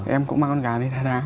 em cũng mang con gà đi đá đá